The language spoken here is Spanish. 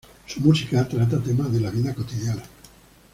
Su música trata temas de la vida cotidiana.